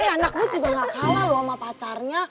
eh anak gue juga gak kalah loh sama pacarnya